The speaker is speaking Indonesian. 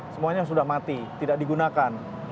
semuanya sudah mati tidak digunakan